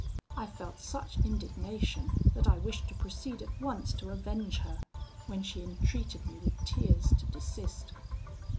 I felt such indignation, that I wished to proceed at once to avenge her, when she entreated me with tears to desist.